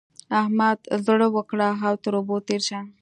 احمد زړه وکړه او تر اوبو تېر شه.